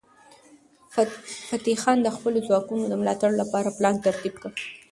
فتح خان د خپلو ځواکونو د ملاتړ لپاره پلان ترتیب کړ.